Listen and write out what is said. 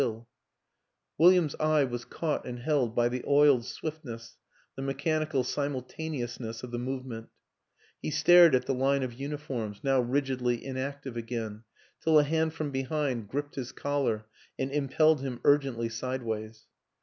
William's eye was caught and held by the oiled swiftness, the me chanical simultaneousness of the movement; he stared at the line of uniforms, now rigidly inac tive again, till a hand from behind gripped his collar and impelled him urgently sideways.